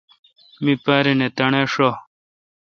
می پارن تݨے ° ݭہ